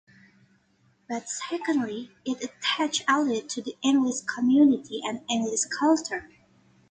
But secondly, it attached Eliot to the English community and English culture.